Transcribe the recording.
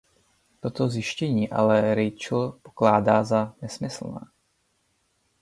Toto zjištění ale Rachel pokládá za nesmyslné.